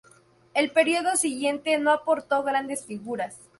El periodo siguiente no aportó grandes figuras.